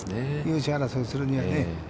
優勝争いをするにはね。